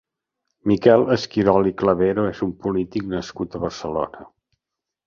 Miquel Esquirol i Clavero és un polític nascut a Barcelona.